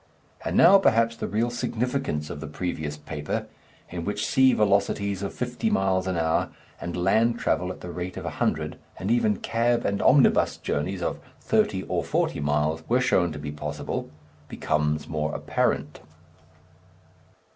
And now, perhaps, the real significance of the previous paper, in which sea velocities of fifty miles an hour, and land travel at the rate of a hundred, and even cab and omnibus journeys of thirty or forty miles, were shown to be possible, becomes more apparent.